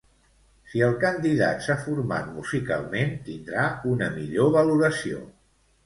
Si el candidat s'ha format musicalment tindrà una millor valoració.